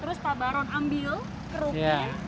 terus pak baron ambil keruknya